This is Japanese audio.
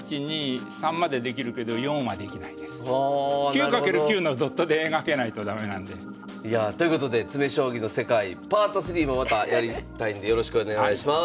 ９×９のドットで描けないと駄目なんで。ということで詰将棋の世界パート３もまたやりたいんでよろしくお願いします。